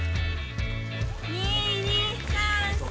２・２・３・４！